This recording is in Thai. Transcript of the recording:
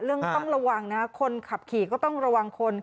ต้องระวังนะคนขับขี่ก็ต้องระวังคน